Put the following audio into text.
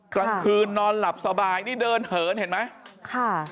กลางคืนนอนหลับสบายนี่เดินเหินเห็นไหมค่ะ